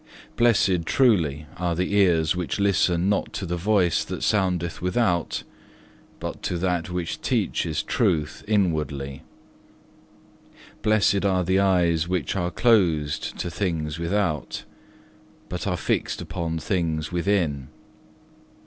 Blessed truly are the ears which listen not to the voice that soundeth without, but to that which teacheth truth inwardly. Blessed are the eyes which are closed to things without, but are fixed upon things within.